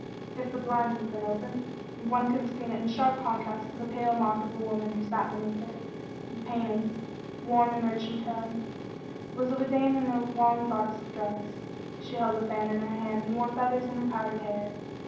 If the blinds had been open, one could have seen it in sharp contrast to the pale moth of a woman who sat beneath it. The painting, warm and rich in tone, was of a dame in a long bodiced dress. She held a fan in her hand and wore feathers in her powdered hair.